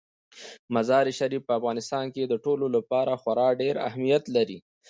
مزارشریف په افغانستان کې د ټولو لپاره خورا ډېر اهمیت لري.